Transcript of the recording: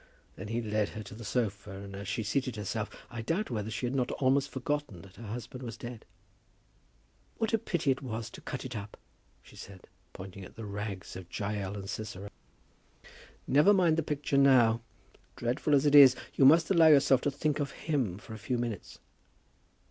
Then he led her to the sofa, and as she seated herself I doubt whether she had not almost forgotten that her husband was dead. "What a pity it was to cut it up," she said, pointing to the rags of Jael and Sisera. "Never mind the picture now. Dreadful as it is, you must allow yourself to think of him for a few minutes."